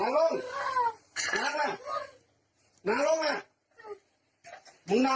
พี่ยังไงก็ไหลไปดิ